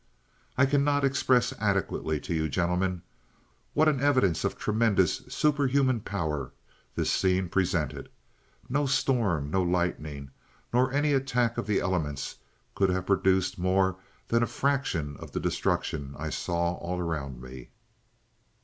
"I cannot express adequately to you, gentlemen, what an evidence of tremendous superhuman power this scene presented. No storm, no lightning, nor any attack of the elements could have produced more than a fraction of the destruction I saw all around me.